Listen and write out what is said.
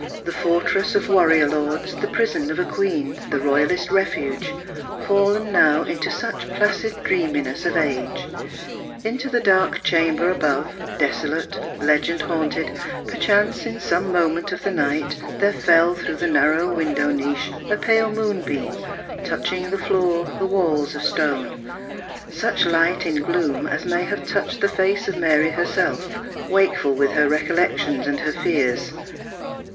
The fortress of warrior lords, the prison of a queen, the Royalist refuge fallen now into such placid dreaminess of age. Into the dark chamber above, desolate, legend haunted, perchance in some moment of the night there fell through the narrow window niche a pale moonbeam, touching the floor, the walls of stone; such light in gloom as may have touched the face of Mary herself, wakeful with her recollections and her fears.